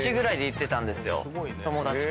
友達と。